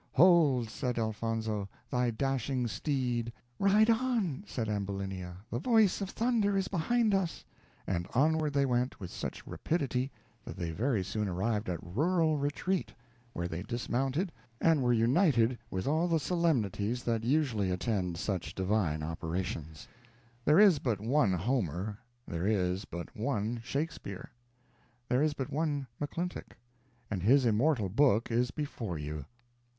"Hold," said Elfonzo, "thy dashing steed." "Ride on," said Ambulinia, "the voice of thunder is behind us." And onward they went, with such rapidity that they very soon arrived at Rural Retreat, where they dismounted, and were united with all the solemnities that usually attended such divine operations. There is but one Homer, there is but one Shakespeare, there is but one McClintock and his immortal book is before you.